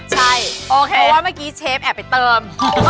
ใช่โอเคเพราะว่าเมื่อกี้เชฟแอบไปเติม